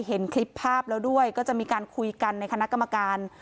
เห็นคลิปภาพแล้วด้วยก็จะมีการคุยกันในคณะกรรมการ